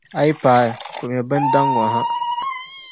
A yi paai, puhimi bɛn daŋ ŋɔ ha.